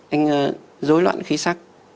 anh dối loạn khí sắc